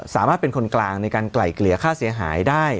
สามารถเป็นคนกลางในการไกล่เกลี่ยค่าเสียหายได้